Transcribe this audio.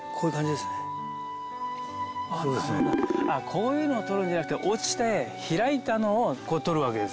こういうのを取るんじゃなくて落ちて開いたのをこう取るわけですか。